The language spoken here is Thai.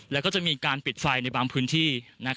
แล้วก็จะมีการปิดไฟในบางพื้นที่